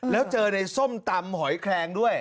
แล้วเจอในส้มตำหอยแคลงด้วย